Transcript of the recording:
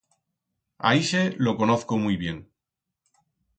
A ixe lo conozco muit bien.